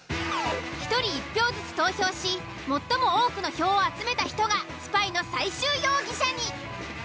１人１票ずつ投票し最も多くの票を集めた人がスパイの最終容疑者に。